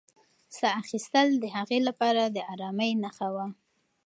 ساه اخیستل د هغې لپاره د ارامۍ نښه وه.